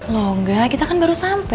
loh enggak kita kan baru sampai